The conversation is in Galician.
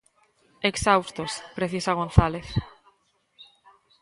"Exhaustos", precisa González.